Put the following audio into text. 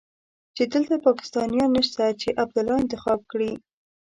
چې دلته پاکستانيان نشته چې عبدالله انتخاب کړي.